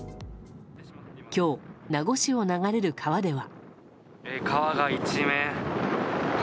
今日、名護市を流れる川では。